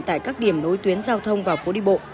tại các điểm nối tuyến giao thông vào phố đi bộ